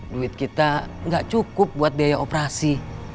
duit kita nggak cukup buat biaya operasi